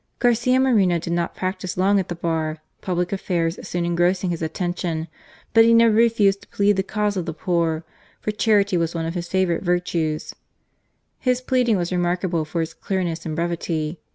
Garcia Moreno did not practise long at the Bar, public affairs soon engrossing his attention ; but he never refused to plead the cause of the poor, for charity was one of his favourite virtues. His pleading was remarkable for its clearness and brevity.